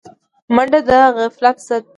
منډه د غفلت ضد ده